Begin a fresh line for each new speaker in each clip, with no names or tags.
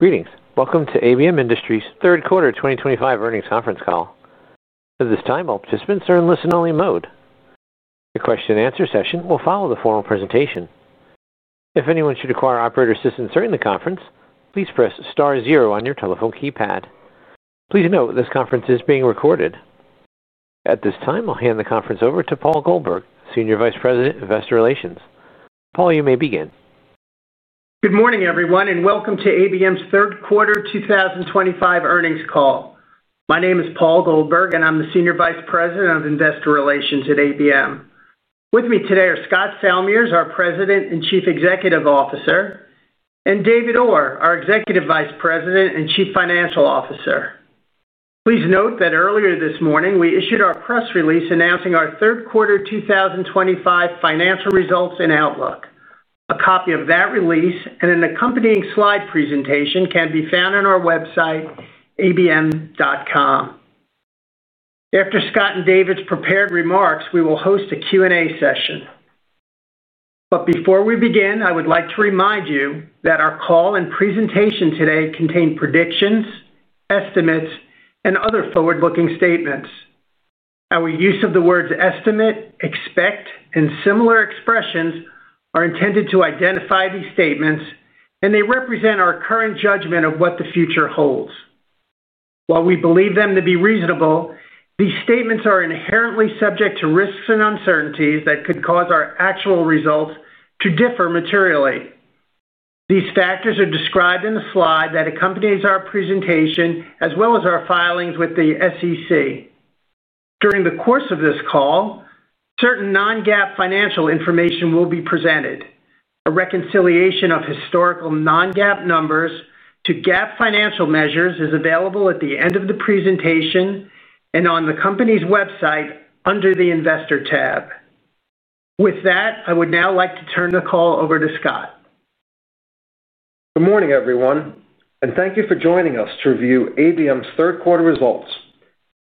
Greetings. Welcome to ABM Industries' Third Quarter 2025 Earnings Conference Call. At this time, I'll just be in listen-only mode. The question and answer session will follow the formal presentation. If anyone should require operator assistance during the conference, please press star zero on your telephone keypad. Please note this conference is being recorded. At this time, I'll hand the conference over to Paul Goldberg, Senior Vice President, Investor Relations. Paul, you may begin.
Good morning, everyone, and welcome to ABM 's Third Quarter 2025 Earnings Call. My name is Paul Goldberg, and I'm the Senior Vice President of Investor Relations at ABM. With me today are Scott Salmirs, our President and Chief Executive Officer, and David Orr, our Executive Vice President and Chief Financial Officer. Please note that earlier this morning, we issued our press release announcing our third quarter 2025 financial results and outlook. A copy of that release and an accompanying slide presentation can be found on our website, abm.com. After Scott and David's prepared remarks, we will host a Q&A session. Before we begin, I would like to remind you that our call and presentation today contain predictions, estimates, and other forward-looking statements. Our use of the words estimate, expect, and similar expressions are intended to identify these statements, and they represent our current judgment of what the future holds. While we believe them to be reasonable, these statements are inherently subject to risks and uncertainties that could cause our actual results to differ materially. These factors are described in the slide that accompanies our presentation, as well as our filings with the SEC. During the course of this call, certain non-GAAP financial information will be presented. A reconciliation of historical non-GAAP numbers to GAAP financial measures is available at the end of the presentation and on the company's website under the Investor tab. With that, I would now like to turn the call over to Scott.
Good morning, everyone, and thank you for joining us to review ABM 's Third Quarter Results.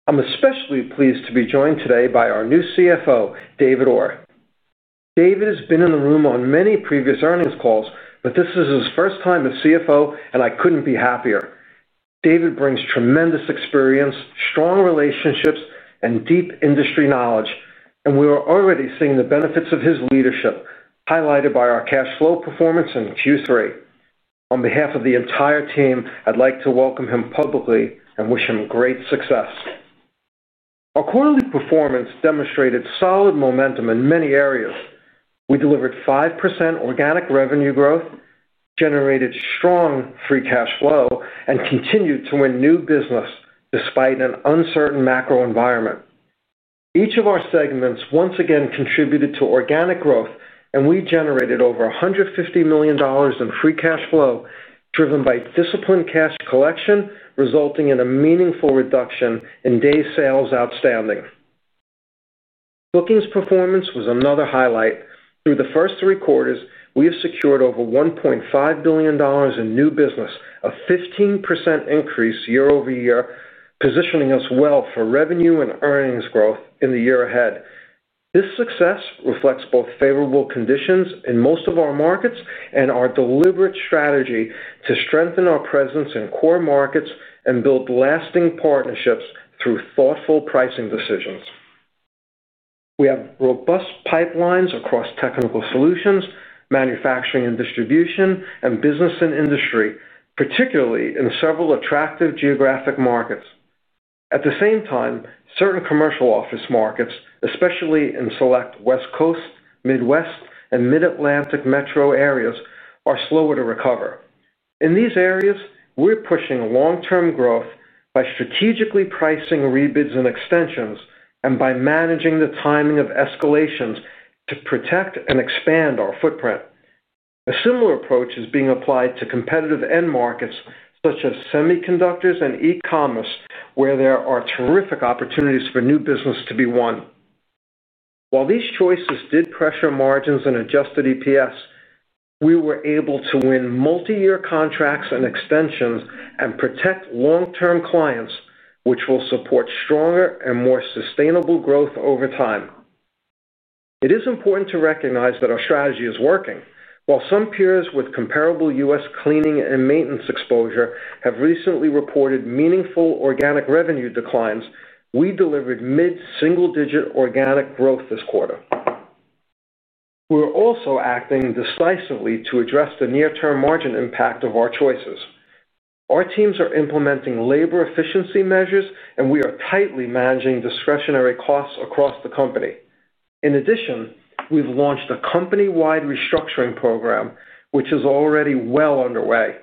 I'm especially pleased to be joined today by our new CFO, David Orr. David has been in the room on many previous earnings calls, but this is his first time as CFO, and I couldn't be happier. David brings tremendous experience, strong relationships, and deep industry knowledge, and we are already seeing the benefits of his leadership, highlighted by our cash flow performance in Q3. On behalf of the entire team, I'd like to welcome him publicly and wish him great success. Our quarterly performance demonstrated solid momentum in many areas. We delivered 5% organic revenue growth, generated strong free cash flow, and continued to win new business despite an uncertain macro environment. Each of our segments once again contributed to organic growth, and we generated over $150 million in free cash flow, driven by disciplined cash collection, resulting in a meaningful reduction in day sales outstanding. Bookings performance was another highlight. Through the first three quarters, we have secured over $1.5 billion in new business, a 15% increase year- over- year, positioning us well for revenue and earnings growth in the year ahead. This success reflects both favorable conditions in most of our markets and our deliberate strategy to strengthen our presence in core markets and build lasting partnerships through thoughtful pricing decisions. We have robust pipelines across Technical Solutions, Manufacturing & Distribution, and Business & Industry, particularly in several attractive geographic markets. At the same time, certain commercial office markets, especially in select West Coast, Midwest, and Mid-Atlantic metro areas, are slower to recover. In these areas, we're pushing long-term growth by strategically pricing rebates and extensions and by managing the timing of escalations to protect and expand our footprint. A similar approach is being applied to competitive end markets such as semiconductors and e-commerce, where there are terrific opportunities for new business to be won. While these choices did pressure margins and adjusted EPS, we were able to win multi-year contracts and extensions and protect long-term clients, which will support stronger and more sustainable growth over time. It is important to recognize that our strategy is working. While some peers with comparable U.S. cleaning and maintenance exposure have recently reported meaningful organic revenue declines, we delivered mid-single-digit organic growth this quarter. We're also acting decisively to address the near-term margin impact of our choices. Our teams are implementing labor efficiency measures, and we are tightly managing discretionary costs across the company. In addition, we've launched a company-wide restructuring program, which is already well underway.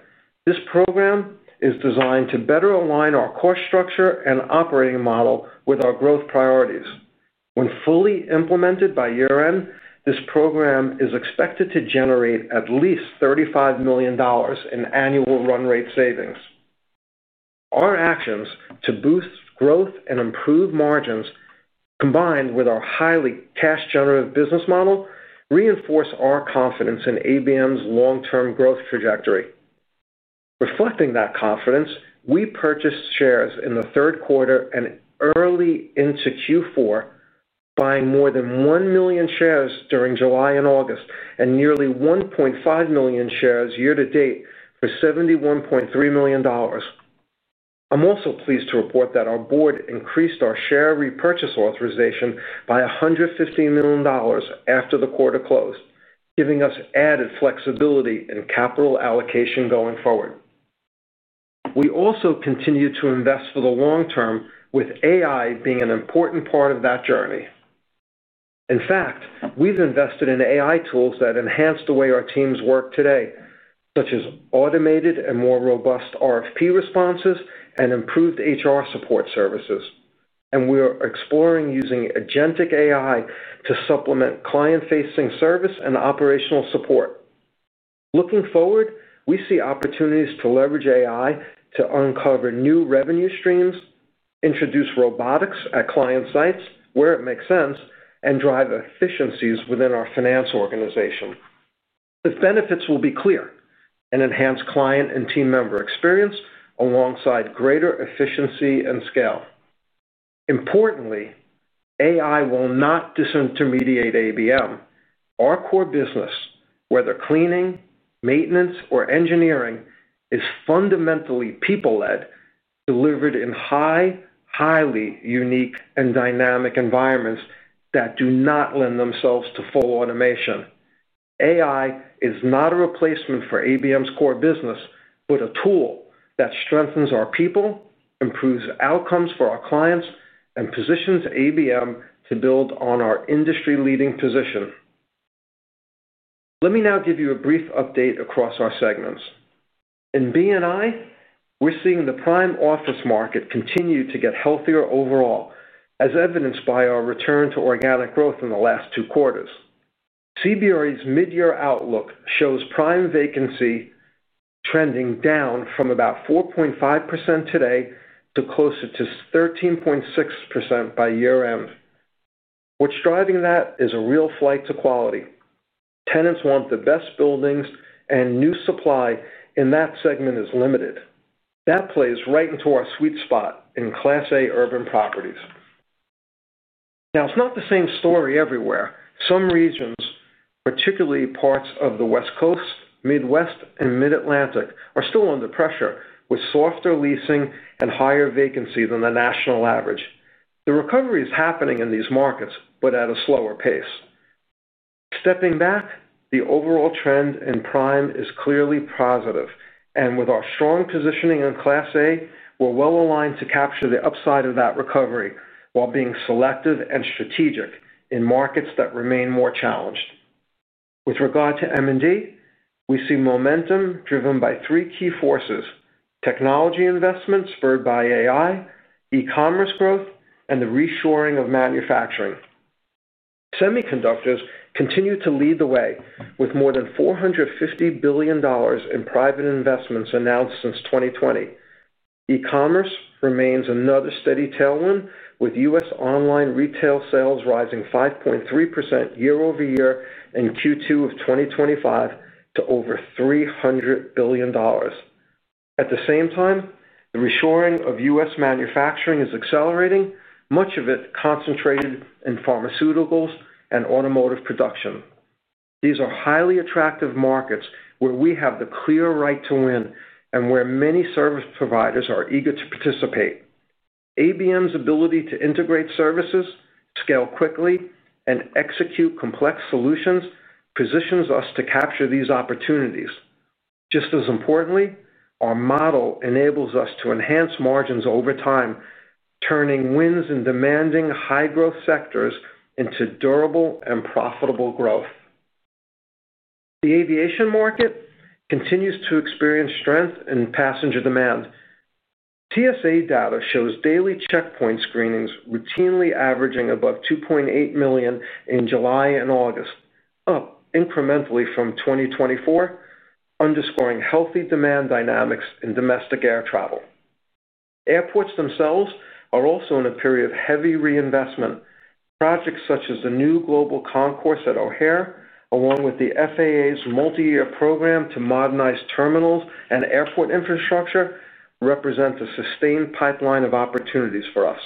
This program is designed to better align our core structure and operating model with our growth priorities. When fully implemented by year-end, this program is expected to generate at least $35 million in annual run-rate savings. Our actions to boost growth and improve margins, combined with our highly cash-generative business model, reinforce our confidence in ABM 's long-term growth trajectory. Reflecting that confidence, we purchased shares in the third quarter and early into Q4, buying more than 1 million shares during July and August, and nearly 1.5 million shares year to date for $71.3 million. I'm also pleased to report that our board increased our share repurchase authorization by $115 million after the quarter closed, giving us added flexibility in capital allocation going forward. We also continue to invest for the long term, with artificial intelligence solutions being an important part of that journey. In fact, we've invested in artificial intelligence tools that enhance the way our teams work today, such as automated and more robust RFP responses and improved HR support services. We are exploring using agentic artificial intelligence to supplement client-facing service and operational support. Looking forward, we see opportunities to leverage artificial intelligence to uncover new revenue streams, introduce robotics at client sites where it makes sense, and drive efficiencies within our finance organization. The benefits will be clear and enhance client and team member experience alongside greater efficiency and scale. Importantly, artificial intelligence will not disintermediate ABM. Our core business, whether cleaning, maintenance, or engineering, is fundamentally people-led, delivered in highly unique and dynamic environments that do not lend themselves to full automation. Artificial intelligence is not a replacement for ABM 's core business, but a tool that strengthens our people, improves outcomes for our clients, and positions ABM to build on our industry-leading position. Let me now give you a brief update across our segments. In B&I, we're seeing the prime office market continue to get healthier overall, as evidenced by our return to organic growth in the last two quarters. CBRE's mid-year outlook shows prime vacancy trending down from about 14.5% today to closer to 13.6% by year-end. What's driving that is a real flight to quality. Tenants want the best buildings, and new supply in that segment is limited. That plays right into our sweet spot in Class A urban properties. Now, it's not the same story everywhere. Some regions, particularly parts of the West Coast, Midwest, and Mid-Atlantic, are still under pressure with softer leasing and higher vacancy than the national average. The recovery is happening in these markets, but at a slower pace. Stepping back, the overall trend in prime is clearly positive, and with our strong positioning in Class A, we're well aligned to capture the upside of that recovery while being selective and strategic in markets that remain more challenged. With regard to M&D, we see momentum driven by three key forces: technology investments spurred by artificial intelligence solutions, e-commerce growth, and the reshoring of manufacturing. Semiconductors continue to lead the way with more than $450 billion in private investments announced since 2020. E-commerce remains another steady tailwind, with U.S. online retail sales rising 5.3% year- over- year in Q2 of 2025 to over $300 billion. At the same time, the reshoring of U.S. manufacturing is accelerating, much of it concentrated in pharmaceuticals and automotive production. These are highly attractive markets where we have the clear right to win and where many service providers are eager to participate. ABM 's ability to integrate services, scale quickly, and execute complex solutions positions us to capture these opportunities. Just as importantly, our model enables us to enhance margins over time, turning wins in demanding high-growth sectors into durable and profitable growth. The aviation market continues to experience strength in passenger demand. TSA data shows daily checkpoint screenings routinely averaging above 2.8 million in July and August, up incrementally from 2024, underscoring healthy demand dynamics in domestic air travel. Airports themselves are also in a period of heavy reinvestment. Projects such as the new Global Concourse at O'Hare, along with the FAA's multi-year program to modernize terminals and airport infrastructure, represent a sustained pipeline of opportunities for us.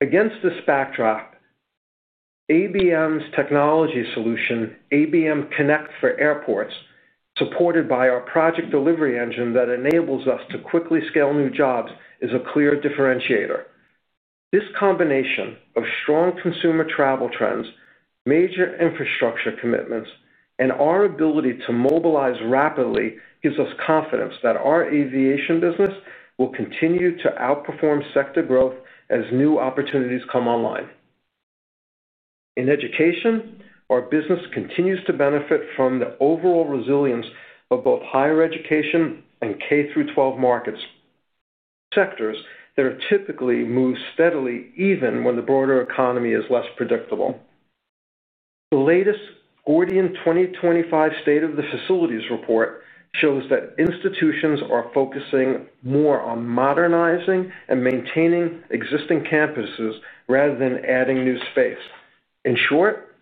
Against this backdrop, ABM's Technology Solution, ABM Connect for Airports, supported by our project delivery engine that enables us to quickly scale new jobs, is a clear differentiator. This combination of strong consumer travel trends, major infrastructure commitments, and our ability to mobilize rapidly gives us confidence that our aviation business will continue to outperform sector growth as new opportunities come online. In education, our business continues to benefit from the overall resilience of both higher education and K through 12 markets, sectors that are typically moved steadily even when the broader economy is less predictable. The latest Gordian 2025 State of the Facilities report shows that institutions are focusing more on modernizing and maintaining existing campuses rather than adding new space. In short,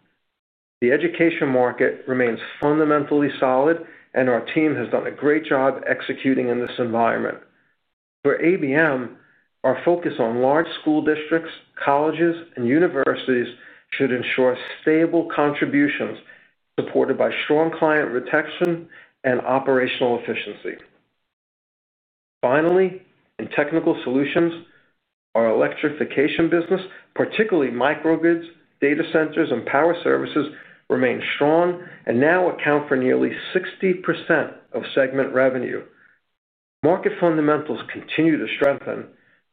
the education market remains fundamentally solid, and our team has done a great job executing in this environment. For ABM, our focus on large school districts, colleges, and universities should ensure stable contributions supported by strong client retention and operational efficiency. Finally, in Technical Solutions, our electrification business, particularly microgrids, data centers, and power services, remains strong and now accounts for nearly 60% of segment revenue. Market fundamentals continue to strengthen.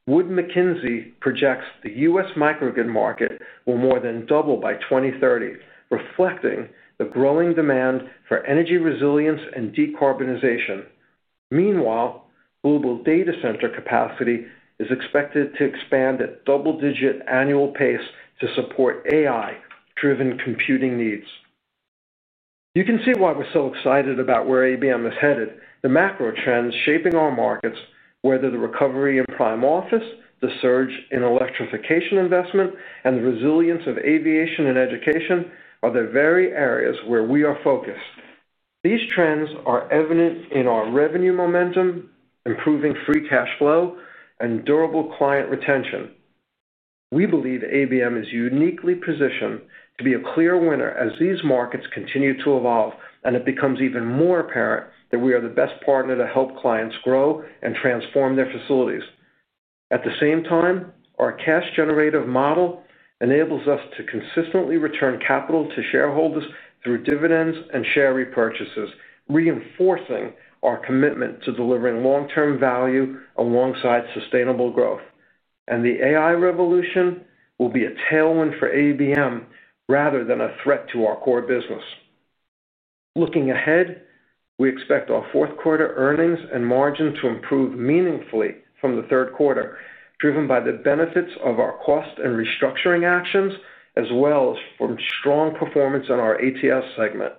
Wood Mackenzie projects the U.S. microgrid market will more than double by 2030, reflecting the growing demand for energy resilience and decarbonization. Meanwhile, global data center capacity is expected to expand at double-digit annual pace to support AI-driven computing needs. You can see why we're so excited about where ABM is headed. The macro trends shaping our markets, whether the recovery in prime office, the surge in electrification investment, and the resilience of aviation and education, are the very areas where we are focused. These trends are evident in our revenue momentum, improving free cash flow, and durable client retention. We believe ABM is uniquely positioned to be a clear winner as these markets continue to evolve, and it becomes even more apparent that we are the best partner to help clients grow and transform their facilities. At the same time, our cash-generative model enables us to consistently return capital to shareholders through dividends and share repurchases, reinforcing our commitment to delivering long-term value alongside sustainable growth. The AI revolution will be a tailwind for ABM rather than a threat to our core business. Looking ahead, we expect our fourth quarter earnings and margins to improve meaningfully from the third quarter, driven by the benefits of our cost and restructuring actions, as well as from strong performance in our ATS segment.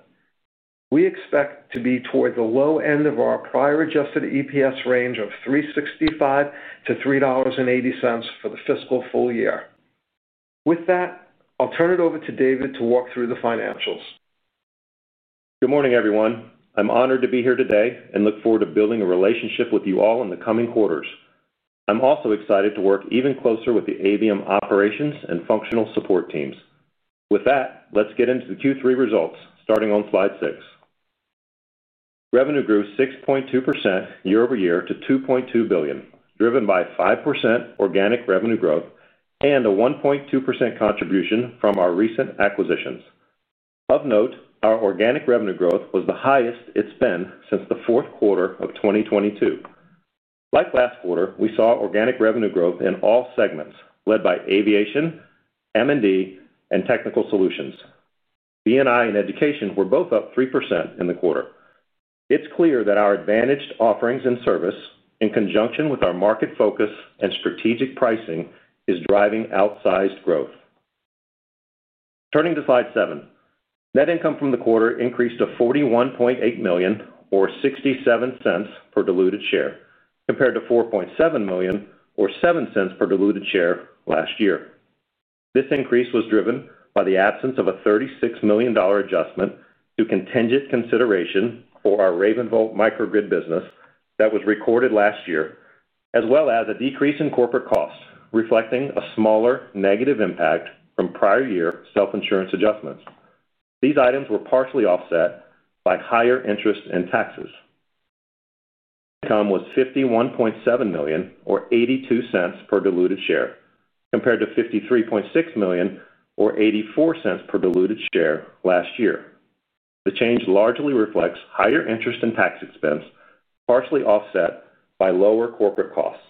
We expect to be towards the low end of our prior adjusted EPS range of $3.65 - $3.80 for the fiscal full year. With that, I'll turn it over to David to walk through the financials.
Good morning, everyone. I'm honored to be here today and look forward to building a relationship with you all in the coming quarters. I'm also excited to work even closer with the ABM operations and functional support teams. With that, let's get into the Q3 results, starting on slide six. Revenue grew 6.2% year- over- year to $2.2 billion, driven by 5% organic revenue growth and a 1.2% contribution from our recent acquisitions. Of note, our organic revenue growth was the highest it's been since the fourth quarter of 2022. Like last quarter, we saw organic revenue growth in all segments led by Aviation, M&D, and Technical Solutions. B&I and Education were both up 3% in the quarter. It's clear that our advantaged offerings and service, in conjunction with our market focus and strategic pricing, are driving outsized growth. Turning to slide seven, net income from the quarter increased to $41.8 million or $0.67 per diluted share, compared to $4.7 million or $0.07 per diluted share last year. This increase was driven by the absence of a $36 million adjustment to contingent consideration for our RavenVolt microgrid business that was recorded last year, as well as a decrease in corporate costs, reflecting a smaller negative impact from prior year self-insurance adjustments. These items were partially offset by higher interest and taxes. Income was $51.7 million or $0.82 per diluted share, compared to $53.6 million or $0.84 per diluted share last year. The change largely reflects higher interest and tax expense, partially offset by lower corporate costs.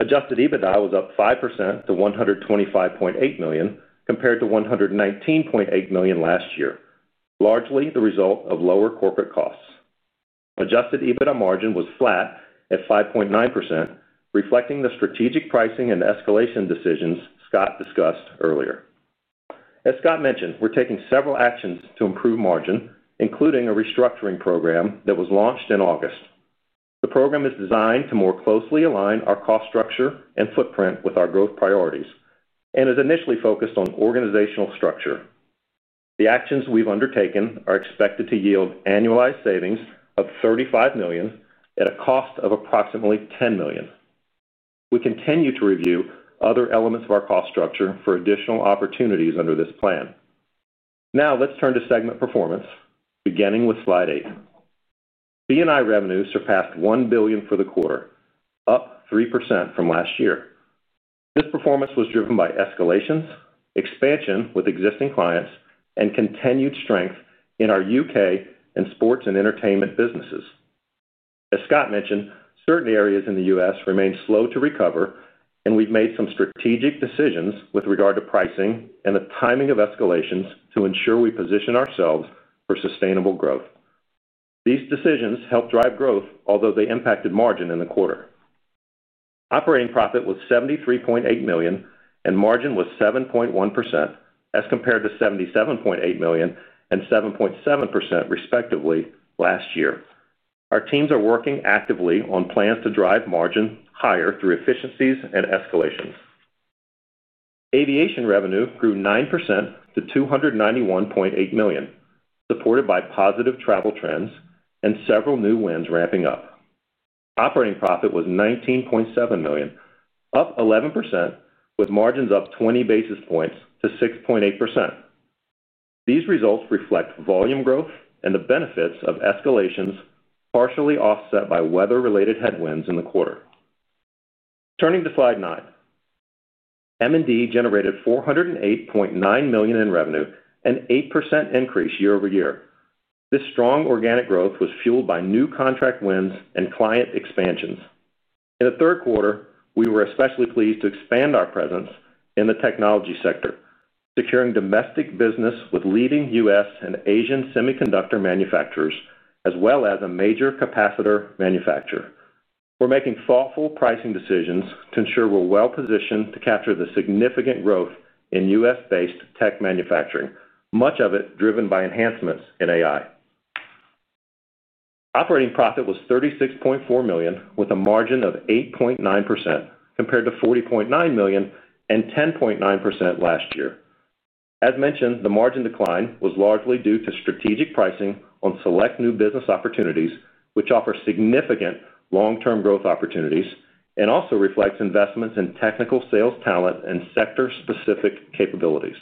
Adjusted EBITDA was up 5% to $125.8 million, compared to $119.8 million last year, largely the result of lower corporate costs. Adjusted EBITDA margin was flat at 5.9%, reflecting the strategic pricing and escalation decisions Scott discussed earlier. As Scott mentioned, we're taking several actions to improve margin, including a restructuring program that was launched in August. The program is designed to more closely align our cost structure and footprint with our growth priorities and is initially focused on organizational structure. The actions we've undertaken are expected to yield annualized savings of $35 million at a cost of approximately $10 million. We continue to review other elements of our cost structure for additional opportunities under this plan. Now, let's turn to segment performance, beginning with slide eight. B&I revenue surpassed $1 billion for the quarter, up 3% from last year. This performance was driven by escalations, expansion with existing clients, and continued strength in our U.K. and sports and entertainment businesses. As Scott mentioned, certain areas in the U.S. remain slow to recover, and we've made some strategic decisions with regard to pricing and the timing of escalations to ensure we position ourselves for sustainable growth. These decisions helped drive growth, although they impacted margin in the quarter. Operating profit was $73.8 million, and margin was 7.1% as compared to $77.8 million and 7.7% respectively last year. Our teams are working actively on plans to drive margin higher through efficiencies and escalations. Aviation revenue grew 9% to $291.8 million, supported by positive travel trends and several new wins ramping up. Operating profit was $19.7 million, up 11%, with margins up 20 basis points to 6.8%. These results reflect volume growth and the benefits of escalations, partially offset by weather-related headwinds in the quarter. Turning to slide nine, M&D generated $408.9 million in revenue, an 8% increase year- over- year. This strong organic growth was fueled by new contract wins and client expansions. In the third quarter, we were especially pleased to expand our presence in the Technology sector, securing domestic business with leading U.S. and Asian semiconductor manufacturers, as well as a major capacitor manufacturer. We're making thoughtful pricing decisions to ensure we're well positioned to capture the significant growth in U.S.-based tech manufacturing, much of it driven by enhancements in AI. Operating profit was $36.4 million, with a margin of 8.9% compared to $40.9 million and 10.9% last year. As mentioned, the margin decline was largely due to strategic pricing on select new business opportunities, which offer significant long-term growth opportunities and also reflect investments in technical sales talent and sector-specific capabilities.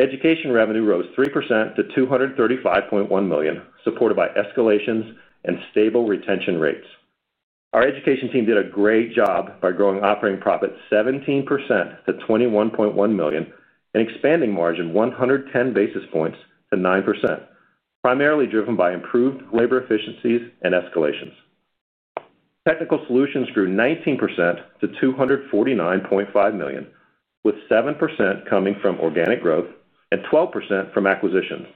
Education revenue rose 3% to $235.1 million, supported by escalations and stable retention rates. Our education team did a great job by growing operating profit 17% to $21.1 million and expanding margin 110 basis points to 9%, primarily driven by improved labor efficiencies and escalations. Technical Solutions grew 19% to $249.5 million, with 7% coming from organic growth and 12% from acquisitions.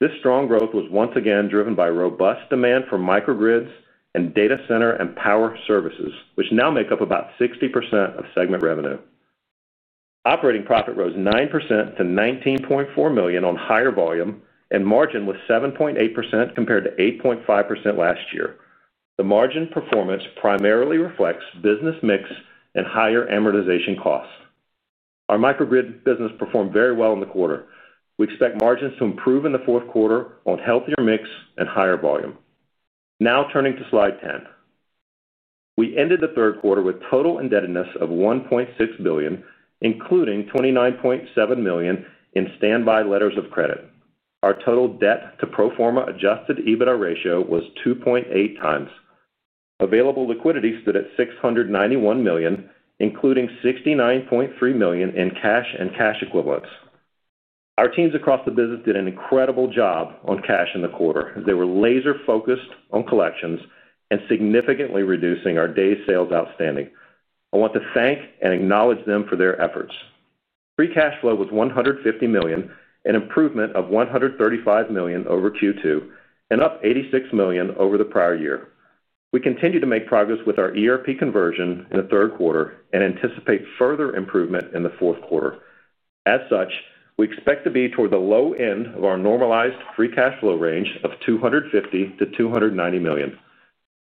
This strong growth was once again driven by robust demand for microgrids and data center and power services, which now make up about 60% of segment revenue. Operating profit rose 9% to $19.4 million on higher volume, and margin was 7.8% compared to 8.5% last year. The margin performance primarily reflects business mix and higher amortization costs. Our microgrid business performed very well in the quarter. We expect margins to improve in the fourth quarter on healthier mix and higher volume. Now, turning to slide ten, we ended the third quarter with total indebtedness of $1.6 billion, including $29.7 million in standby letters of credit. Our total debt to pro forma adjusted EBITDA ratio was 2.8 x. Available liquidity stood at $691 million, including $69.3 million in cash and cash equivalents. Our teams across the business did an incredible job on cash in the quarter. They were laser-focused on collections and significantly reducing our day sales outstanding. I want to thank and acknowledge them for their efforts. Free cash flow was $150 million, an improvement of $135 million over Q2 and up $86 million over the prior year. We continue to make progress with our ERP conversion in the third quarter and anticipate further improvement in the fourth quarter. As such, we expect to be toward the low end of our normalized free cash flow range of $250 million- $290 million.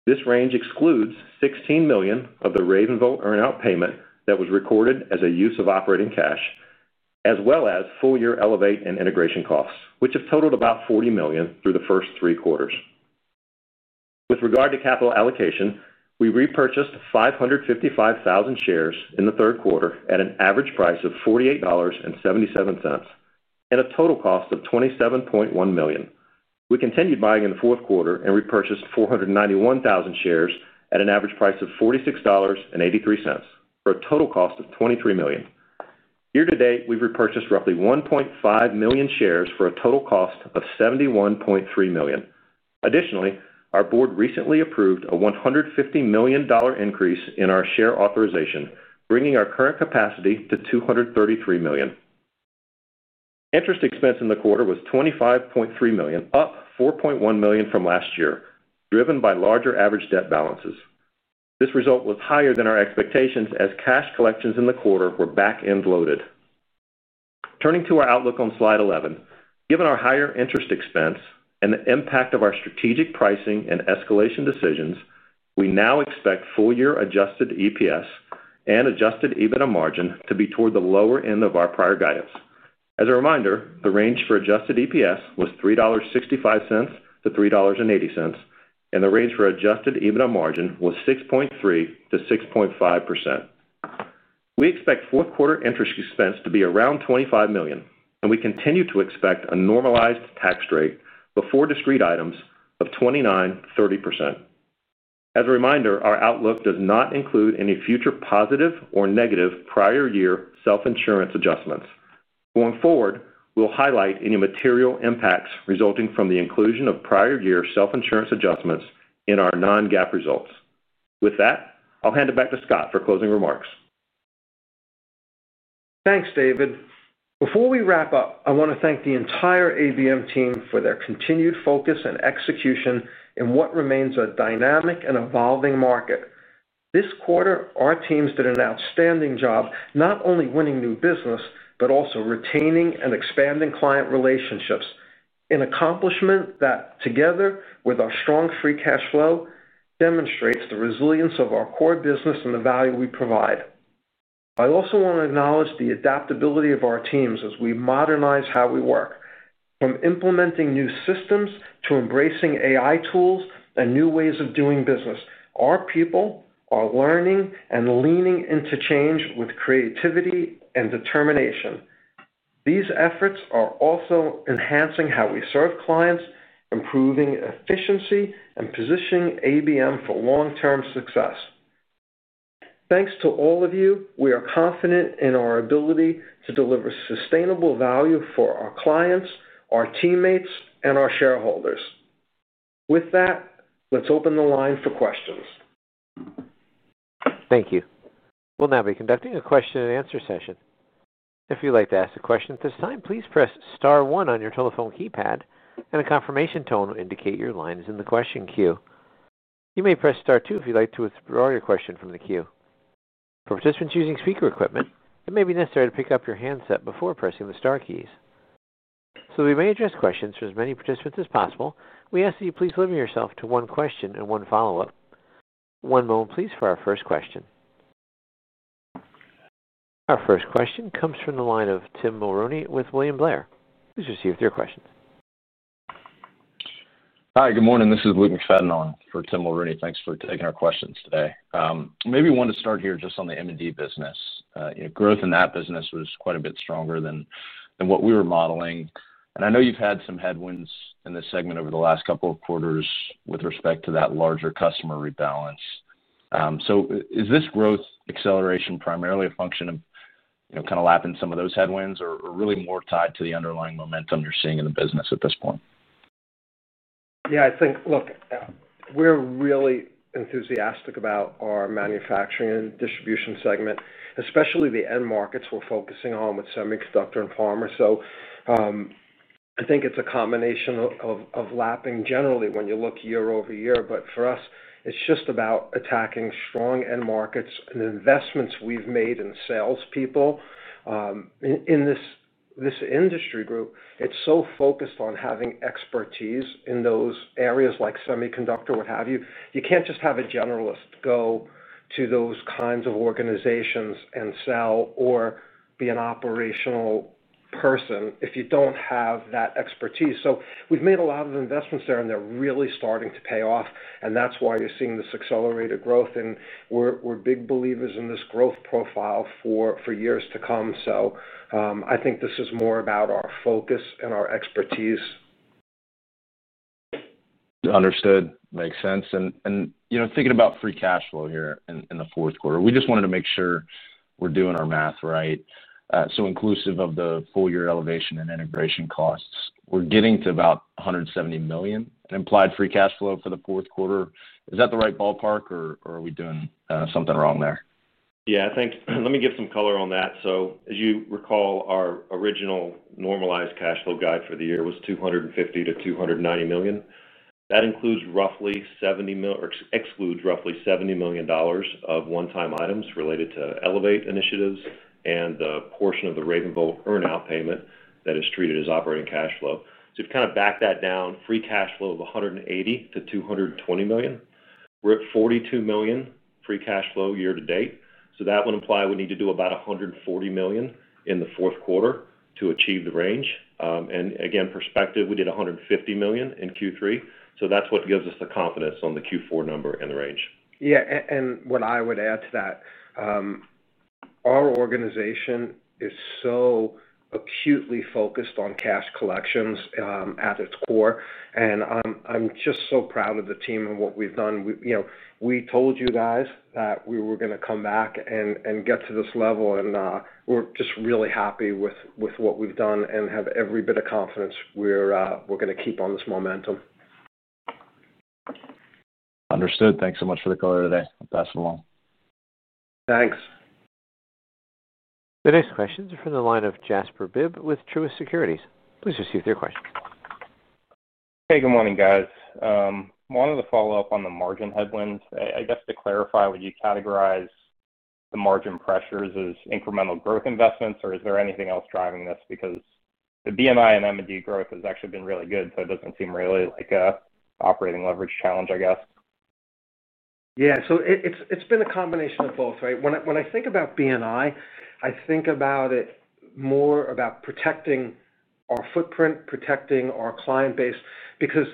This range excludes $16 million of the RavenVolt earnout payment that was recorded as a use of operating cash, as well as full-year ELEVATE and integration costs, which have totaled about $40 million through the first three quarters. With regard to capital allocation, we repurchased 555,000 shares in the third quarter at an average price of $48.77 and a total cost of $27.1 million. We continued buying in the fourth quarter and repurchased 491,000 shares at an average price of $46.83 for a total cost of $23 million. Year to date, we've repurchased roughly 1.5 million shares for a total cost of $71.3 million. Additionally, our board recently approved a $150 million increase in our share authorization, bringing our current capacity to $233 million. Interest expense in the quarter was $25.3 million, up $4.1 million from last year, driven by larger average debt balances. This result was higher than our expectations as cash collections in the quarter were back-end loaded. Turning to our outlook on slide 11, given our higher interest expense and the impact of our strategic pricing and escalation decisions, we now expect full-year adjusted EPS and adjusted EBITDA margin to be toward the lower end of our prior guidance. As a reminder, the range for adjusted EPS was $3.65 - $3.80, and the range for adjusted EBITDA margin was 6.3% - 6.5%. We expect fourth quarter interest expense to be around $25 million, and we continue to expect a normalized tax rate before discrete items of 29% - 30%. As a reminder, our outlook does not include any future positive or negative prior year self-insurance adjustments. Going forward, we'll highlight any material impacts resulting from the inclusion of prior year self-insurance adjustments in our non-GAAP results. With that, I'll hand it back to Scott for closing remarks.
Thanks, David. Before we wrap up, I want to thank the entire ABM team for their continued focus and execution in what remains a dynamic and evolving market. This quarter, our teams did an outstanding job not only winning new business but also retaining and expanding client relationships, an accomplishment that, together with our strong free cash flow, demonstrates the resilience of our core business and the value we provide. I also want to acknowledge the adaptability of our teams as we modernize how we work. From implementing new systems to embracing artificial intelligence solutions and new ways of doing business, our people are learning and leaning into change with creativity and determination. These efforts are also enhancing how we serve clients, improving efficiency, and positioning ABM for long-term success. Thanks to all of you, we are confident in our ability to deliver sustainable value for our clients, our teammates, and our shareholders. With that, let's open the line for questions.
Thank you. We'll now be conducting a question and answer session. If you'd like to ask a question at this time, please press star one on your telephone keypad, and a confirmation tone will indicate your line is in the question queue. You may press star two if you'd like to withdraw your question from the queue. For participants using speaker equipment, it may be necessary to pick up your handset before pressing the star keys. So that we may address questions from as many participants as possible, we ask that you please limit yourself to one question and one follow-up. One moment, please, for our first question. Our first question comes from the line of Tim Mulrooney with William Blair. Please proceed with your questions.
Hi, good morning. This is Luke McFadden for Tim Mulrooney. Thanks for taking our questions today. Maybe one to start here just on the M&D business. Growth in that business was quite a bit stronger than what we were modeling. I know you've had some headwinds in this segment over the last couple of quarters with respect to that larger customer rebalance. Is this growth acceleration primarily a function of kind of lapping some of those headwinds, or really more tied to the underlying momentum you're seeing in the business at this point?
Yeah, I think, look, we're really enthusiastic about our Manufacturing & Distribution segment, especially the end markets we're focusing on with semiconductor and pharma. I think it's a combination of lapping generally when you look year over year. For us, it's just about attacking strong end markets and investments we've made in salespeople. In this industry group, it's so focused on having expertise in those areas like semiconductor, what have you. You can't just have a generalist go to those kinds of organizations and sell or be an operational person if you don't have that expertise. We've made a lot of investments there, and they're really starting to pay off. That's why you're seeing this accelerated growth. We're big believers in this growth profile for years to come. I think this is more about our focus and our expertise.
Understood. Makes sense. You know, thinking about free cash flow here in the fourth quarter, we just wanted to make sure we're doing our math right. Inclusive of the full-year ELEVATE and integration costs, we're getting to about $170 million in implied free cash flow for the fourth quarter. Is that the right ballpark, or are we doing something wrong there?
I think let me give some color on that. As you recall, our original normalized cash flow guide for the year was $250 million- $290 million. That includes roughly $70 million of one-time items related to ELEVATE initiatives and the portion of the RavenVolt earnout payment that is treated as operating cash flow. If you kind of back that down, free cash flow of $180 million- $220 million, we're at $42 million free cash flow year to date. That would imply we need to do about $140 million in the fourth quarter to achieve the range. For perspective, we did $150 million in Q3. That's what gives us the confidence on the Q4 number and range.
Yeah, what I would add to that is our organization is so acutely focused on cash collections at its core. I'm just so proud of the team and what we've done. You know, we told you guys that we were going to come back and get to this level, and we're just really happy with what we've done and have every bit of confidence we're going to keep on this momentum.
Understood. Thanks so much for the color today. Pass it along.
Thanks.
Today's questions are from the line of Jasper Bibb with Truist Securities. Please proceed with your questions.
Hey, good morning, guys. I wanted to follow up on the margin headwinds. I guess to clarify, would you categorize the margin pressures as incremental growth investments, or is there anything else driving this? Because the B &I and M& D growth has actually been really good, so it doesn't seem really like an operating leverage challenge, I guess.
Yeah, so it's been a combination of both, right? When I think about B&I, I think about it more about protecting our footprint, protecting our client base, because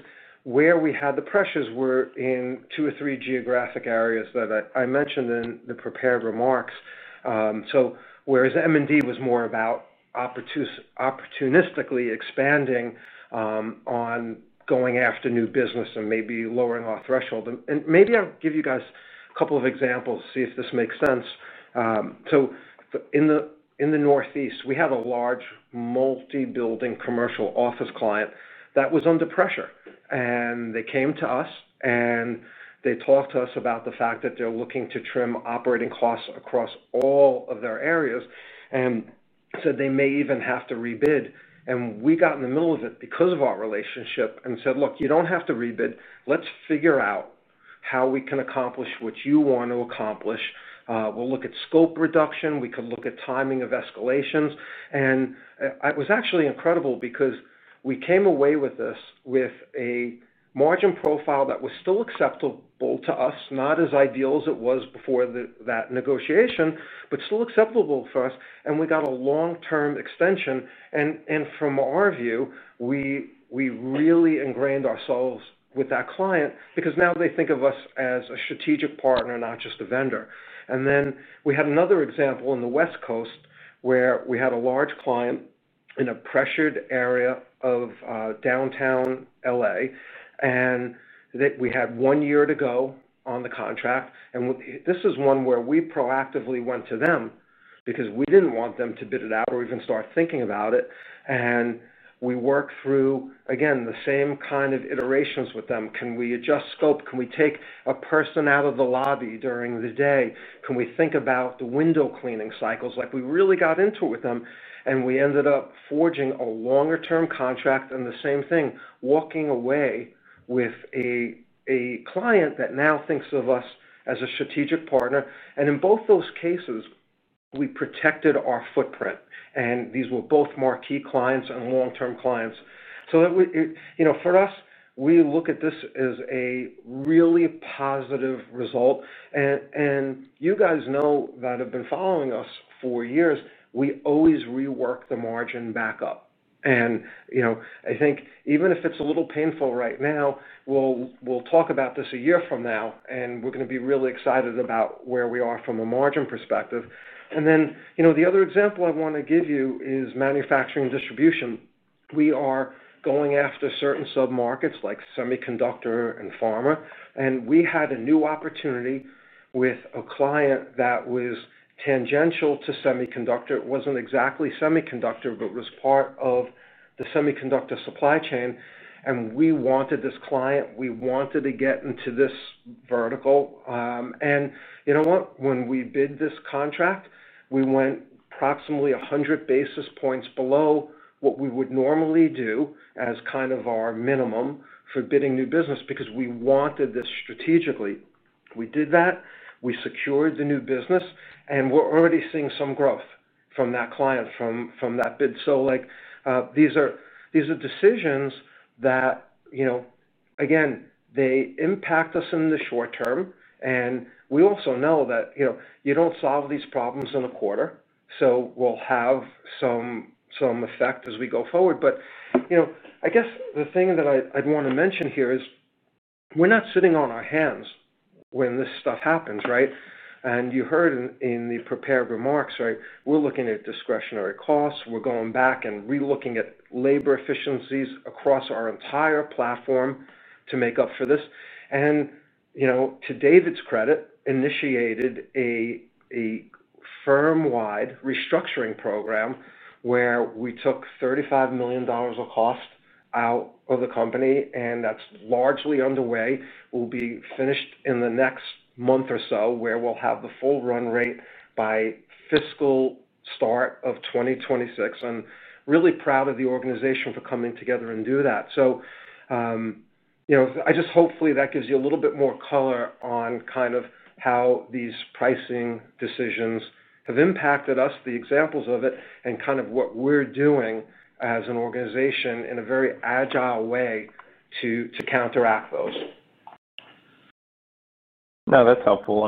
where we had the pressures were in two or three geographic areas that I mentioned in the prepared remarks. Whereas M&D was more about opportunistically expanding on going after new business and maybe lowering our threshold. Maybe I'll give you guys a couple of examples to see if this makes sense. In the Northeast, we have a large multi-building commercial office client that was under pressure. They came to us, and they talked to us about the fact that they're looking to trim operating costs across all of their areas and said they may even have to rebid. We got in the middle of it because of our relationship and said, look, you don't have to rebid. Let's figure out how we can accomplish what you want to accomplish. We'll look at scope reduction. We could look at timing of escalations. It was actually incredible because we came away with this with a margin profile that was still acceptable to us, not as ideal as it was before that negotiation, but still acceptable for us. We got a long-term extension. From our view, we really ingrained ourselves with that client because now they think of us as a strategic partner, not just a vendor. We had another example on the West Coast where we had a large client in a pressured area of downtown LA, and we had one year to go on the contract. This is one where we proactively went to them because we didn't want them to bid it out or even start thinking about it. We worked through, again, the same kind of iterations with them. Can we adjust scope? Can we take a person out of the lobby during the day? Can we think about the window cleaning cycles? We really got into it with them, and we ended up forging a longer-term contract and the same thing, walking away with a client that now thinks of us as a strategic partner. In both those cases, we protected our footprint. These were both marquee clients and long-term clients. For us, we look at this as a really positive result. You guys know that have been following us for years, we always rework the margin back up. I think even if it's a little painful right now, we'll talk about this a year from now, and we're going to be really excited about where we are from a margin perspective. The other example I want to give you is Manufacturing & Distribution. We are going after certain submarkets like semiconductor and pharma. We had a new opportunity with a client that was tangential to semiconductor. It wasn't exactly semiconductor, but it was part of the semiconductor supply chain. We wanted this client. We wanted to get into this vertical. When we bid this contract, we went approximately 100 basis points below what we would normally do as kind of our minimum for bidding new business because we wanted this strategically. We did that. We secured the new business, and we're already seeing some growth from that client, from that bid. These are decisions that, again, impact us in the short term. We also know that you don't solve these problems in a quarter. We'll have some effect as we go forward. The thing that I'd want to mention here is we're not sitting on our hands when this stuff happens, right? You heard in the prepared remarks, we're looking at discretionary costs. We're going back and relooking at labor efficiencies across our entire platform to make up for this. To David's credit, we initiated a firm-wide restructuring program where we took $35 million of cost out of the company. That's largely underway. We'll be finished in the next month or so, where we'll have the full run rate by fiscal start of 2026. I'm really proud of the organization for coming together and doing that. Hopefully that gives you a little bit more color on how these pricing decisions have impacted us, the examples of it, and what we're doing as an organization in a very agile way to counteract those.
No, that's helpful.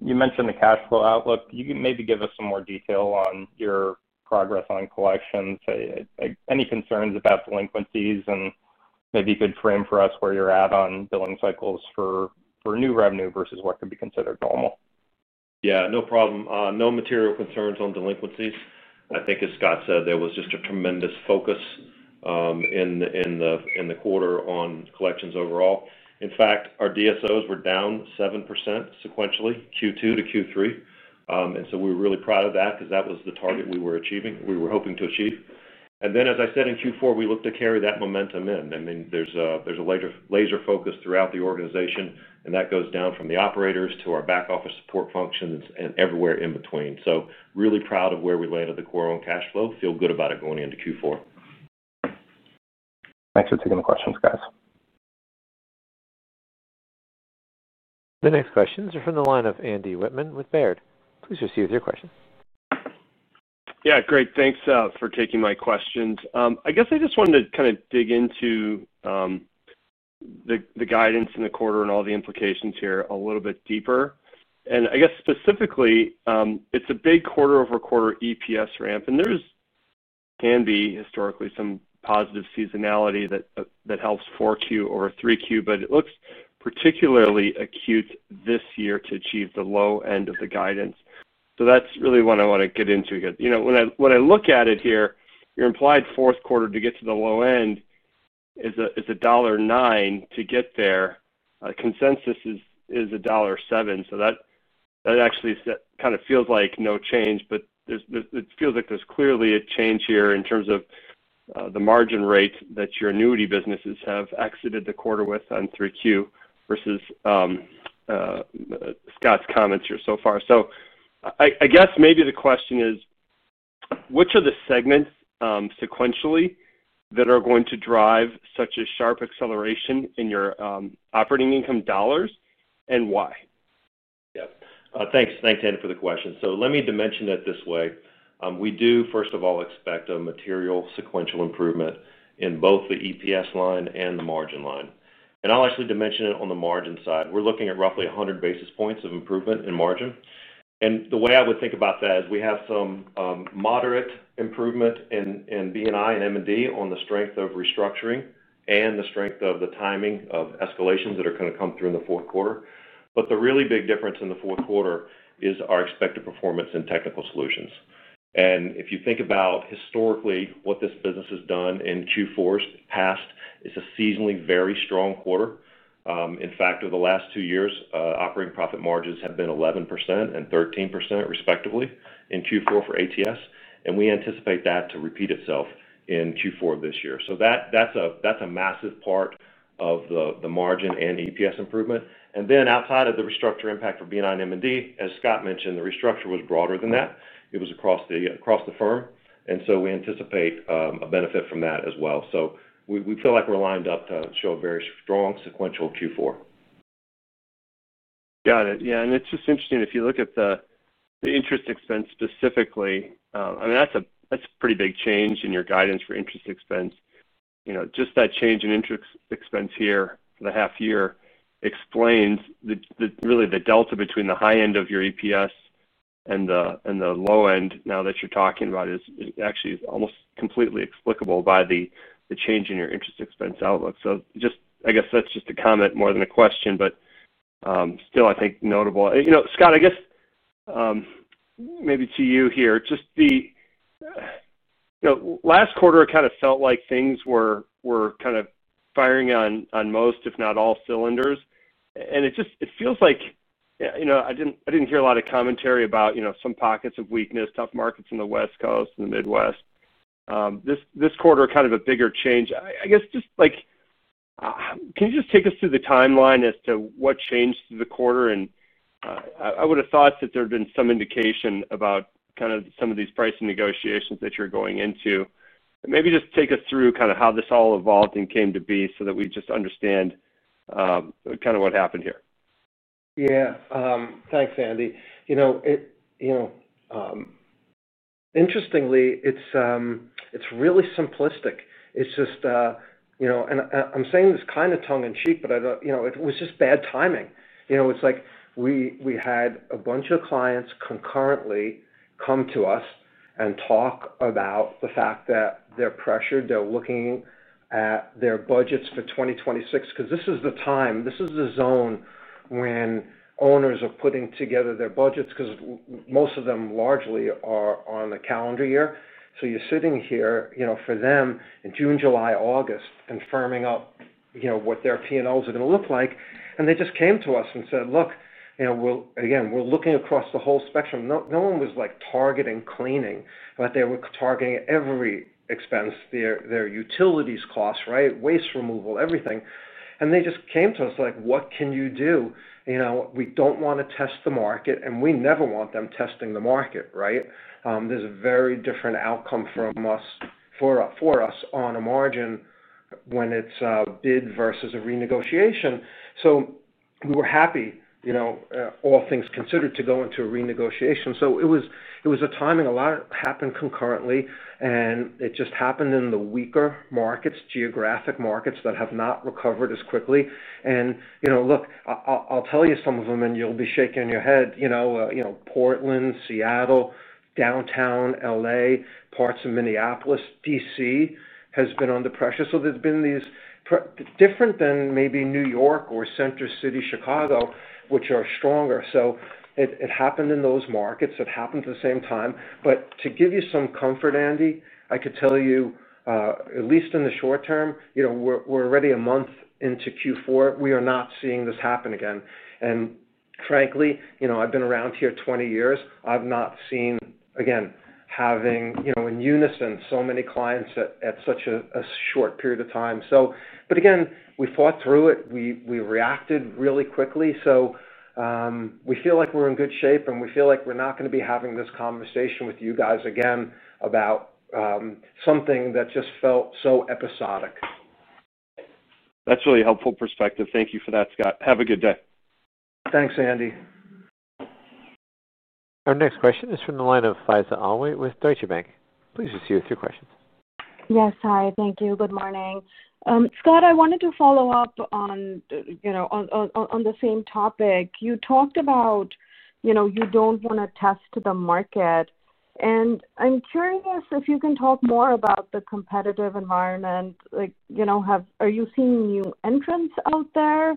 You mentioned the cash flow outlook. You can maybe give us some more detail on your progress on collections. Any concerns about delinquencies and maybe a good frame for us where you're at on billing cycles for new revenue versus what could be considered normal?
No problem. No material concerns on delinquencies. I think, as Scott said, there was just a tremendous focus in the quarter on collections overall. In fact, our DSOs were down 7% sequentially Q2 to Q3. We were really proud of that because that was the target we were hoping to achieve. As I said, in Q4, we looked to carry that momentum in. There is a laser focus throughout the organization, and that goes down from the operators to our back office support functions and everywhere in between. Really proud of where we landed the quarter on cash flow. Feel good about it going into Q4.
Thanks for taking the questions, guys.
Today's questions are from the line of Andy Wittmann with Baird. Please proceed with your question.
Yeah, great. Thanks for taking my questions. I just wanted to kind of dig into the guidance in the quarter and all the implications here a little bit deeper. I guess specifically, it's a big quarter-over-quarter EPS ramp. There can be historically some positive seasonality that helps 4Q or 3Q, but it looks particularly acute this year to achieve the low end of the guidance. That's really what I want to get into here. When I look at it here, your implied fourth quarter to get to the low end is $1.09 to get there. Consensus is $1.07. That actually kind of feels like no change, but it feels like there's clearly a change here in terms of the margin rate that your annuity businesses have exited the quarter with on 3Q versus Scott's comments here so far. Maybe the question is, which are the segments sequentially that are going to drive such a sharp acceleration in your operating income dollars and why?
Thanks, Andy, for the question. Let me dimension it this way. We do, first of all, expect a material sequential improvement in both the EPS line and the margin line. I'll actually dimension it on the margin side. We're looking at roughly 100 basis points of improvement in margin. The way I would think about that is we have some moderate improvement in B &I and M&D on the strength of restructuring and the strength of the timing of escalations that are going to come through in the fourth quarter. The really big difference in the fourth quarter is our expected performance in Technical Solutions. If you think about historically what this business has done in Q4s past, it's a seasonally very strong quarter. In fact, over the last two years, operating profit margins have been 11% and 13% respectively in Q4 for the ATS segment. We anticipate that to repeat itself in Q4 of this year. That's a massive part of the margin and EPS improvement. Outside of the restructure impact for B&I and M&D, as Scott mentioned, the restructure was broader than that. It was across the firm. We anticipate a benefit from that as well. We feel like we're lined up to show a very strong sequential Q4.
Got it. It's just interesting if you look at the interest expense specifically. I mean, that's a pretty big change in your guidance for interest expense. You know, just that change in interest expense here, the half year, explains that really the delta between the high end of your EPS and the low end now that you're talking about is actually almost completely explicable by the change in your interest expense outlook. I guess that's just a comment more than a question, but still, I think notable. Scott, I guess maybe to you here, last quarter kind of felt like things were kind of firing on most, if not all, cylinders. It feels like I didn't hear a lot of commentary about some pockets of weakness, tough markets in the West Coast and the Midwest. This quarter, kind of a bigger change. I guess just like, can you just take us through the timeline as to what changed through the quarter? I would have thought that there had been some indication about some of these pricing negotiations that you're going into. Maybe just take us through how this all evolved and came to be so that we just understand what happened here.
Yeah, thanks, Andy. Interestingly, it's really simplistic. It's just, and I'm saying this kind of tongue in cheek, but I don't, it was just bad timing. It's like we had a bunch of clients concurrently come to us and talk about the fact that they're pressured. They're looking at their budgets for 2026 because this is the time, this is the zone when owners are putting together their budgets because most of them largely are on the calendar year. You're sitting here, for them in June, July, August, and firming up what their P&Ls are going to look like. They just came to us and said, look, again, we're looking across the whole spectrum. No one was targeting cleaning, but they were targeting every expense, their utilities costs, right? Waste removal, everything. They just came to us like, what can you do? We don't want to test the market, and we never want them testing the market, right? There's a very different outcome for us on a margin when it's a bid versus a renegotiation. We were happy, all things considered, to go into a renegotiation. It was a timing. A lot happened concurrently, and it just happened in the weaker markets, geographic markets that have not recovered as quickly. I'll tell you some of them, and you'll be shaking your head. Portland, Seattle, downtown LA, parts of Minneapolis, D.C. has been under pressure. There have been these, it's different than maybe New York or Center City, Chicago, which are stronger. It happened in those markets. It happened at the same time. To give you some comfort, Andy, I could tell you, at least in the short term, we're already a month into Q4. We are not seeing this happen again. Frankly, I've been around here 20 years. I've not seen, again, having in unison so many clients at such a short period of time. We fought through it. We reacted really quickly. We feel like we're in good shape, and we feel like we're not going to be having this conversation with you guys again about something that just felt so episodic.
That's really helpful perspective. Thank you for that, Scott. Have a good day.
Thanks, Andy.
Our next question is from the line of Faiza Alwy with Deutsche Bank. Please proceed with your questions.
Yes, hi. Thank you. Good morning. Scott, I wanted to follow up on the same topic. You talked about you don't want to test the market. I'm curious if you can talk more about the competitive environment. Are you seeing new entrants out there?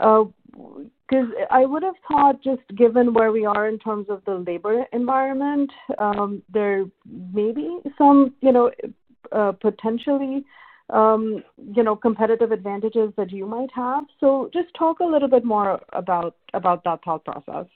I would have thought, just given where we are in terms of the labor environment, there may be some potentially competitive advantages that you might have. Just talk a little bit more about that thought process.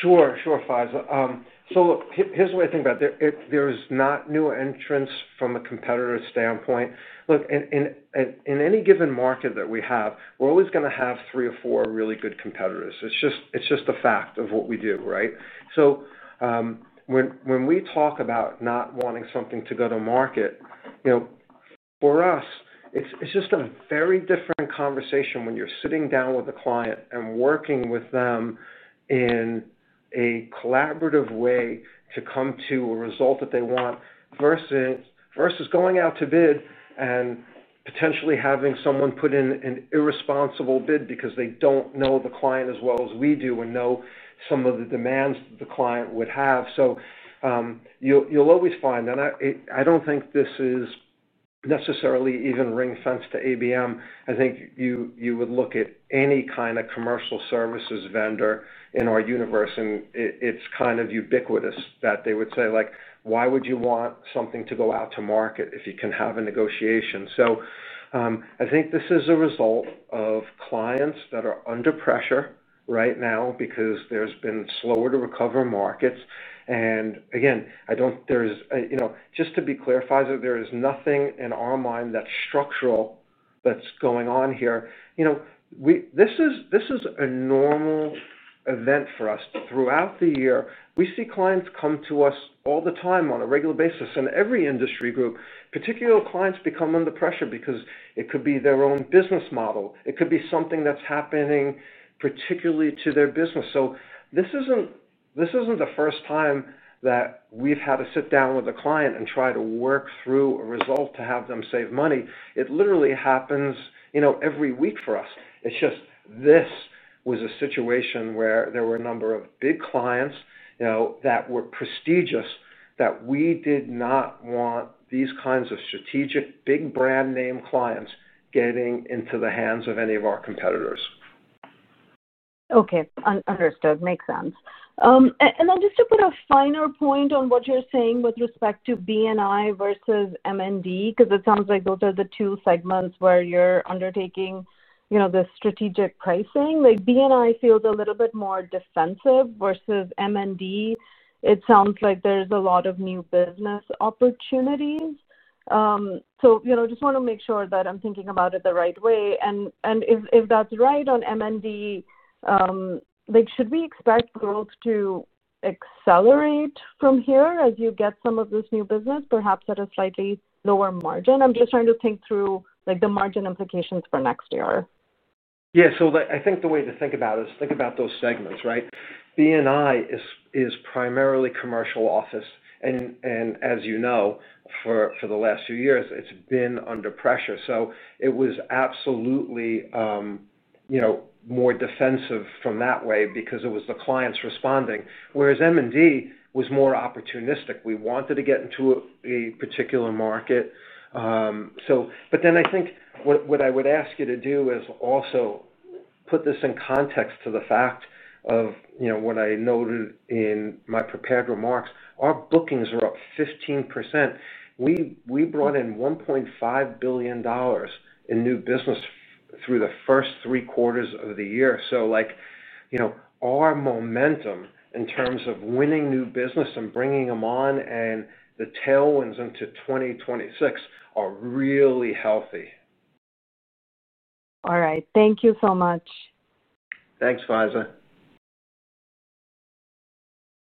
Sure, Faiza. Here's the way I think about it. If there's not new entrants from a competitor's standpoint, look, in any given market that we have, we're always going to have three or four really good competitors. It's just the fact of what we do, right? When we talk about not wanting something to go to market, for us, it's just a very different conversation when you're sitting down with a client and working with them in a collaborative way to come to a result that they want versus going out to bid and potentially having someone put in an irresponsible bid because they don't know the client as well as we do and know some of the demands the client would have. You'll always find, and I don't think this is necessarily even ring-fenced to ABM. I think you would look at any kind of commercial services vendor in our universe, and it's kind of ubiquitous that they would say, like, why would you want something to go out to market if you can have a negotiation? I think this is a result of clients that are under pressure right now because there's been slower to recover markets. Again, just to be clear, Faiza, there is nothing in our mind that's structural that's going on here. This is a normal event for us throughout the year. We see clients come to us all the time on a regular basis, and every industry group, particular clients become under pressure because it could be their own business model. It could be something that's happening particularly to their business. This isn't the first time that we've had to sit down with a client and try to work through a result to have them save money. It literally happens every week for us. This was a situation where there were a number of big clients that were prestigious that we did not want these kinds of strategic, big brand name clients getting into the hands of any of our competitors.
Okay, understood. Makes sense. Just to put a finer point on what you're saying with respect to B&I versus M&D, because it sounds like those are the two segments where you're undertaking the strategic pricing. B&I feels a little bit more defensive versus M&D. It sounds like there's a lot of new business opportunities. I just want to make sure that I'm thinking about it the right way. If that's right on M&D, should we expect growth to accelerate from here as you get some of this new business, perhaps at a slightly lower margin? I'm just trying to think through the margin implications for next year.
Yeah, so I think the way to think about it is think about those segments, right? B&I is primarily commercial office. As you know, for the last few years, it's been under pressure. It was absolutely, you know, more defensive from that way because it was the clients responding, whereas M&D was more opportunistic. We wanted to get into a particular market. I think what I would ask you to do is also put this in context to the fact of, you know, what I noted in my prepared remarks. Our bookings are up 15%. We brought in $1.5 billion in new business through the first three quarters of the year. Our momentum in terms of winning new business and bringing them on and the tailwinds into 2026 are really healthy.
All right, thank you so much.
Thanks, Faiza.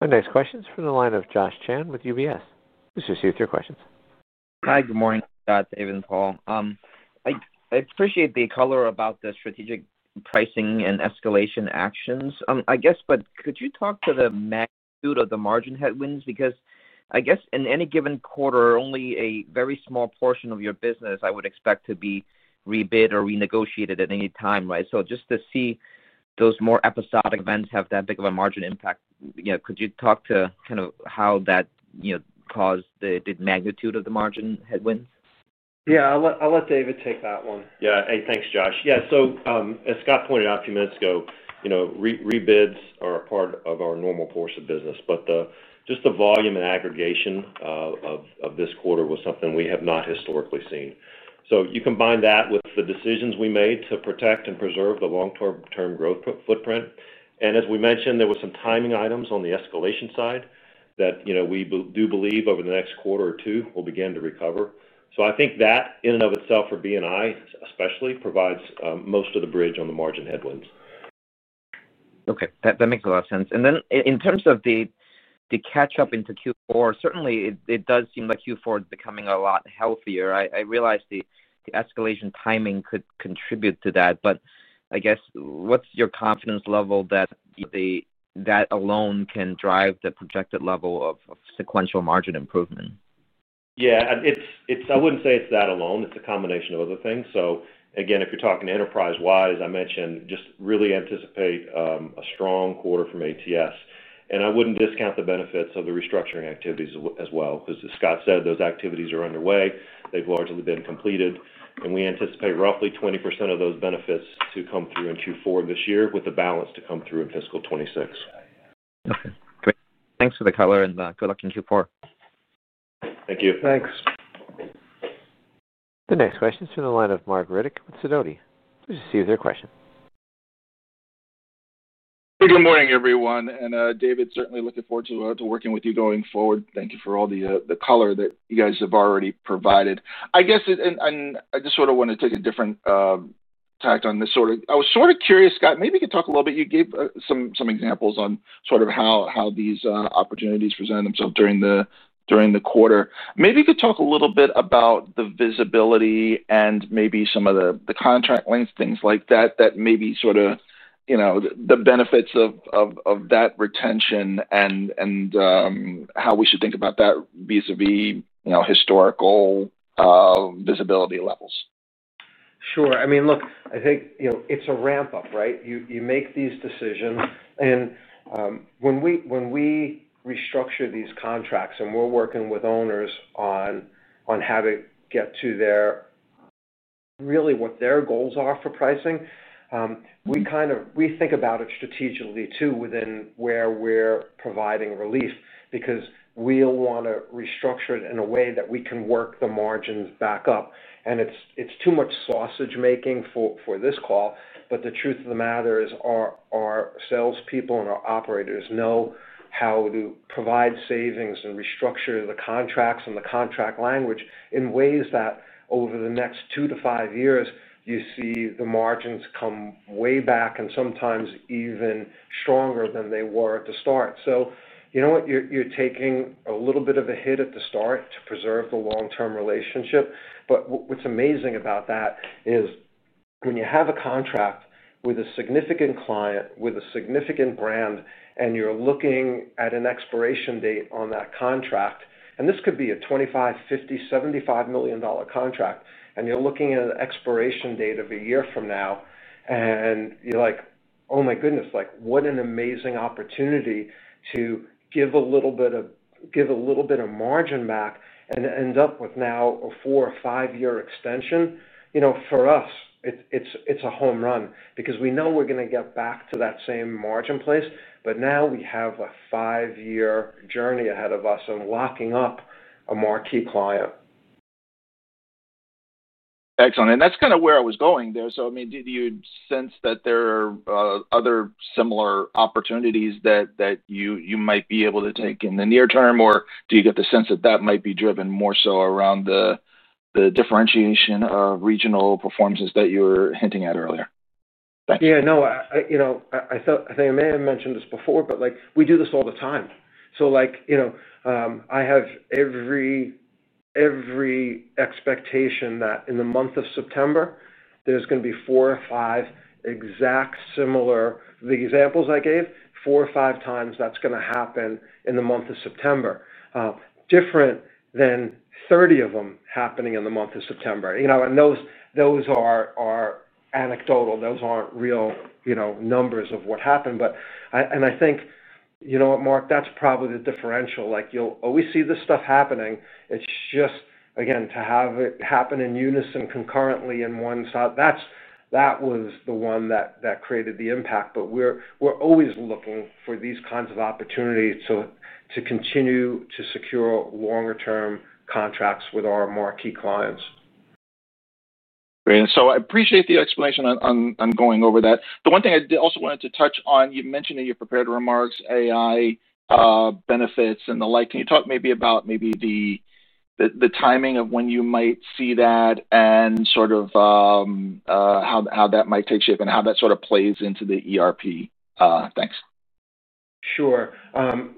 Our next question is from the line of Josh Chan with UBS. Please proceed with your questions.
Hi, good morning, Scott, David, and Paul. I appreciate the color about the strategic pricing and escalation actions, I guess, could you talk to the magnitude of the margin headwinds? In any given quarter, only a very small portion of your business, I would expect to be rebid or renegotiated at any time, right? Just to see those more episodic events have that big of a margin impact, could you talk to kind of how that, you know, caused the magnitude of the margin headwinds?
Yeah, I'll let David take that one.
Yeah, thanks, Josh. As Scott pointed out a few minutes ago, rebids are a part of our normal course of business, but just the volume and aggregation of this quarter was something we have not historically seen. You combine that with the decisions we made to protect and preserve the long-term growth footprint. As we mentioned, there were some timing items on the escalation side that we do believe over the next quarter or two will begin to recover. I think that in and of itself for B&I, especially, provides most of the bridge on the margin headwinds.
Okay, that makes a lot of sense. In terms of the catch-up into Q4, certainly it does seem like Q4 is becoming a lot healthier. I realize the escalation timing could contribute to that, but I guess what's your confidence level that that alone can drive the projected level of sequential margin improvement?
Yeah, I wouldn't say it's that alone. It's a combination of other things. If you're talking enterprise-wise, I mentioned just really anticipate a strong quarter from ATS. I wouldn't discount the benefits of the restructuring activities as well, because as Scott said, those activities are underway. They've largely been completed, and we anticipate roughly 20% of those benefits to come through in Q4 this year, with the balance to come through in fiscal 2026.
Okay, great. Thanks for the color and good luck in Q4.
Thank you.
Thanks.
The next question is from the line of Marc Riddick with Sidoti. Please proceed with your question.
Good morning, everyone. David, certainly looking forward to working with you going forward. Thank you for all the color that you guys have already provided. I just want to take a different tact on this. I was curious, Scott, maybe you could talk a little bit. You gave some examples on how these opportunities present themselves during the quarter. Maybe you could talk a little bit about the visibility and some of the contract lengths, things like that, the benefits of that retention and how we should think about that vis-a-vis historical visibility levels.
Sure. I mean, look, I think it's a ramp-up, right? You make these decisions. When we restructure these contracts and we're working with owners on how to get to their, really, what their goals are for pricing, we think about it strategically too within where we're providing relief because we'll want to restructure it in a way that we can work the margins back up. It's too much sausage-making for this call, but the truth of the matter is our salespeople and our operators know how to provide savings and restructure the contracts and the contract language in ways that over the next two to five years, you see the margins come way back and sometimes even stronger than they were at the start. You know what? You're taking a little bit of a hit at the start to preserve the long-term relationship. What's amazing about that is when you have a contract with a significant client, with a significant brand, and you're looking at an expiration date on that contract, and this could be a $25 million, $50 million, $75 million contract, and you're looking at an expiration date of a year from now, and you're like, oh my goodness, what an amazing opportunity to give a little bit of margin back and end up with now a four or five-year extension. For us, it's a home run because we know we're going to get back to that same margin place, but now we have a five-year journey ahead of us and locking up a marquee client.
Excellent. That's kind of where I was going there. Do you sense that there are other similar opportunities that you might be able to take in the near term, or do you get the sense that that might be driven more so around the differentiation of regional performances that you were hinting at earlier?
Yeah, no, I think I may have mentioned this before, but we do this all the time. I have every expectation that in the month of September, there's going to be four or five exact similar, the examples I gave, 4x or 5x that's going to happen in the month of September, different than 30 of them happening in the month of September. Those are anecdotal. Those aren't real numbers of what happened. I think, you know what, Mark, that's probably the differential. You'll always see this stuff happening. It's just, again, to have it happen in unison, concurrently in one shot, that was the one that created the impact. We're always looking for these kinds of opportunities to continue to secure longer-term contracts with our marquee clients.
Great. I appreciate the explanation on going over that. The one thing I also wanted to touch on, you mentioned in your prepared remarks, AI benefits and the like. Can you talk about the timing of when you might see that and sort of how that might take shape and how that sort of plays into the ERP? Thanks.
Sure.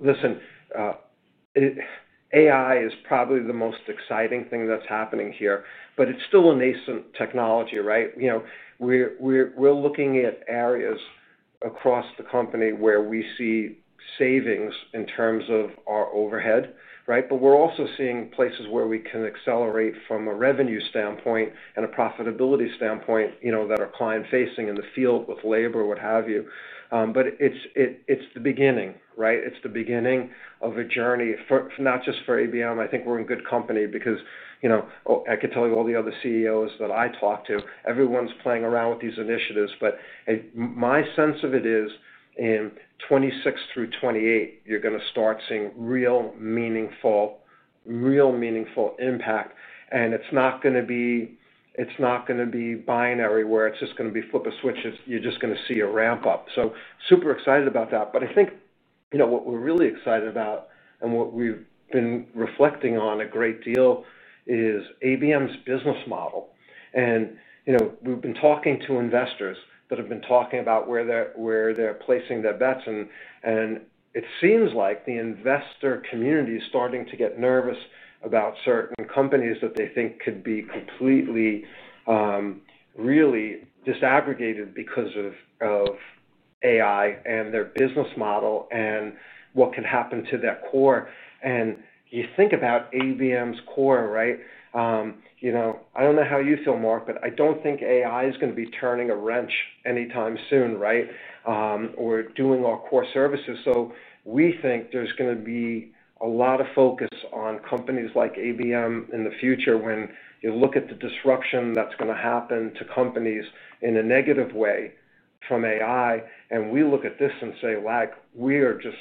Listen, AI is probably the most exciting thing that's happening here, but it's still a nascent technology, right? We're looking at areas across the company where we see savings in terms of our overhead, right? We're also seeing places where we can accelerate from a revenue standpoint and a profitability standpoint that are client-facing in the field with labor, what have you. It's the beginning, right? It's the beginning of a journey, not just for ABM. I think we're in good company because I could tell you all the other CEOs that I talk to, everyone's playing around with these initiatives. My sense of it is in 2026 through 2028, you're going to start seeing real meaningful impact. It's not going to be binary where it's just going to be flip a switch. You're just going to see a ramp-up. Super excited about that. I think what we're really excited about and what we've been reflecting on a great deal is ABM 's business model. We've been talking to investors that have been talking about where they're placing their bets. It seems like the investor community is starting to get nervous about certain companies that they think could be completely, really disaggregated because of AI and their business model and what can happen to their core. You think about ABM 's core, right? I don't know how you feel, Marc, but I don't think AI is going to be turning a wrench anytime soon, right? We're doing our core services. We think there's going to be a lot of focus on companies like ABM in the future when you look at the disruption that's going to happen to companies in a negative way from AI. We look at this and say we are just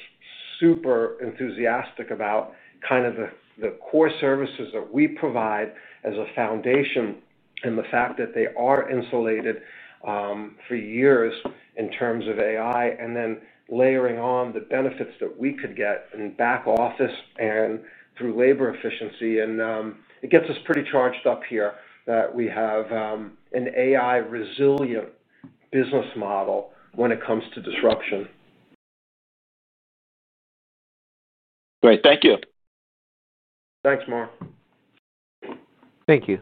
super enthusiastic about kind of the core services that we provide as a foundation and the fact that they are insulated for years in terms of AI and then layering on the benefits that we could get in back office and through labor efficiency. It gets us pretty charged up here that we have an AI-resilient business model when it comes to disruption.
Great. Thank you.
Thanks, Marc.
Thank you.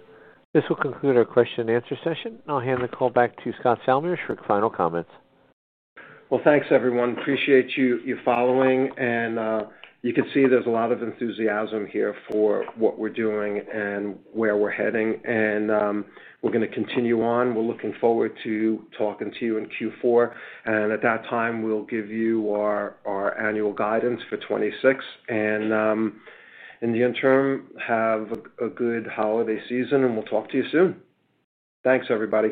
This will conclude our question and answer session. I'll hand the call back to Scott Salmirs for final comments.
Thank you, everyone. Appreciate you following. You can see there's a lot of enthusiasm here for what we're doing and where we're heading. We're going to continue on. We're looking forward to talking to you in Q4. At that time, we'll give you our annual guidance for 2026. In the interim, have a good holiday season, and we'll talk to you soon. Thanks, everybody.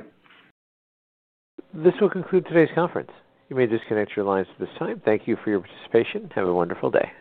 This will conclude today's conference. You may disconnect your lines at this time. Thank you for your participation. Have a wonderful day.